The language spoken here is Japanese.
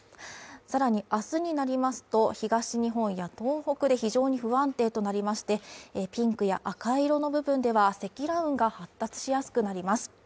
さらに、明日になりますと、東日本や東北で非常に不安定となりましてピンクや赤色の部分では積乱雲が発達しやすくなります。